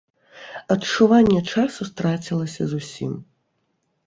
Адчуванне часу страцілася зусім.